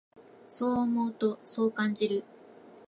そう思うと、そう感じる。